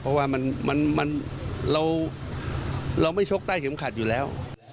เพราะว่าเราไม่ชกใต้เข็มขัดอยู่แล้ว